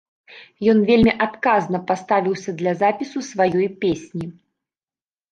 Ён вельмі адказна паставіўся для запісу сваёй песні.